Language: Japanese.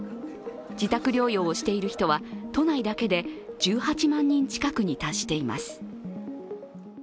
自宅療養をしている人は都内だけで１８万人近くに達しています。